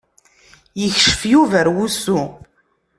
Yekcef Yuba ar wusu.